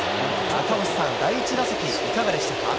赤星さん、第１打席、いかがでしたか。